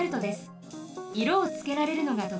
いろをつけられるのがとくちょうです。